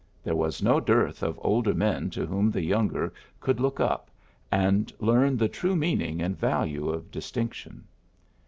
There was no dearth of older men to whom the younger could look up, and learn the true meaning and value of dis tinction.